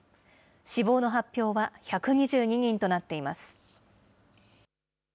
死亡の発表は１２２人となっています。